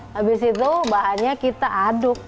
habis itu bahannya kita aduk